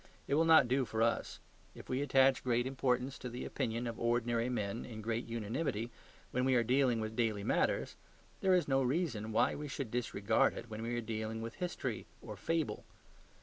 It will not do for us. If we attach great importance to the opinion of ordinary men in great unanimity when we are dealing with daily matters, there is no reason why we should disregard it when we are dealing with history or fable.